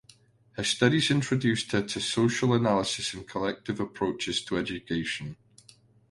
Her studies introduced her to social analysis and collective approaches to education.